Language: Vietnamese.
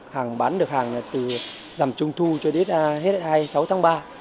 hàng bán được hàng từ dầm trung thu cho đến hết hai sáu tháng ba